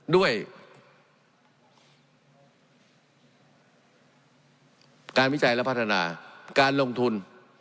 ด้วยการวิจัยและพัฒนาการลงทุน